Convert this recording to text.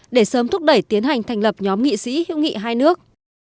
để sớm thúc đẩy tiến hành thành lập nhóm nghị sĩ hữu nghị hai nước